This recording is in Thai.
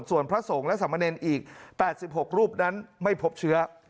ส่วนพระสงฆ์และสามเมณอีกแปดสิบหกรูปนั้นไม่พบเชื้อ